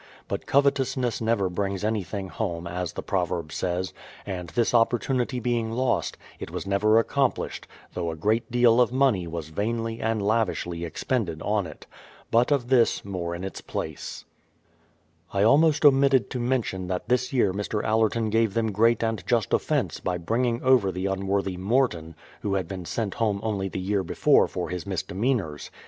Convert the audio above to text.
But covetousness never brings anything home, as the proverb says ; and this opportunity being lost, it was never accom plished, though a great deal of money was vainly and lav ishly expended on it. But of this more in its place. I almost omitted to mention that this year Mr. Allerton gave them great and just offence by bringing over the un 206 BRADFORD'S HISTORY OF worthy Morton, who had been sent home only the year before for his misdemeanours.